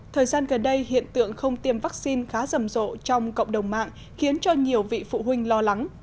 thời gian gần đây hiện tượng không tiêm vaccine khá rầm rộ trong cộng đồng mạng khiến cho nhiều vị phụ huynh lo lắng